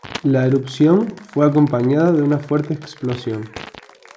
La erupción fue acompañada de una fuerte explosión.